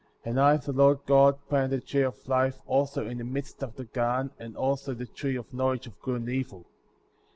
And I, the Lord God, planted the tree of life"* also in the midst of the garden, and also the tree of knowledge of good and evil.